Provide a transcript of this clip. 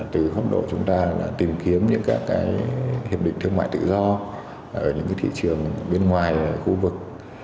từ khắp độ chúng ta đã tìm kiếm những các hiệp định thương mại tự do ở những thị trường bên ngoài khu vực